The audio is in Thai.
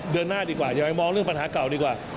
เดือนหน้าดีกว่าอย่าไปมองเรื่องปัญหาเก่าดีกว่า